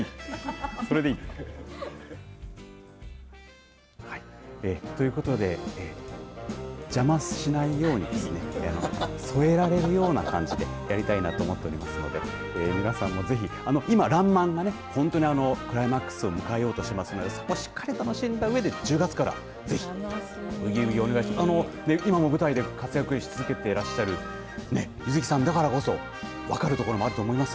はい、ということで邪魔しないようにですね添えられるような感じでやりたいなと思っておりますので皆さんもぜひ今、らんまんがね、本当にクライマックスを迎えようとしていますのでそこをしっかり楽しんだうえで１０月からぜひブギウギお願いして今も舞台で活躍し続けていらっしゃる柚希さんだからこそ分かるところもあると思います。